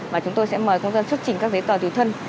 và chúng tôi sẽ mời công dân xuất trình các giấy tờ tùy thân